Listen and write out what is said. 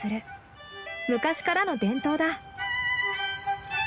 昔からの伝統だ。